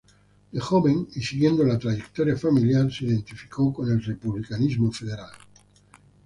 De joven, y siguiendo la trayectoria familiar, se identificó con el republicanismo federal.